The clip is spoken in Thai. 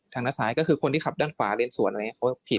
ทางด้านซ้ายก็คือที่ขับอกด้านเสี่ยงขว์เลย